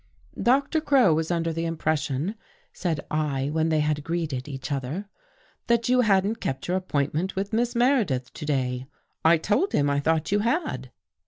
" Doctor Crow was under the impression," said I, when they had greeted each other, " that you hadn't kept your appointment with Miss Meredith to day. I told him I thought you had."